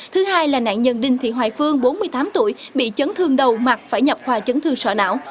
thứ hai là nạn nhân đinh thị hoài phương bốn mươi tám tuổi bị chấn thương đầu mặt phải nhập khoa chấn thương sọ não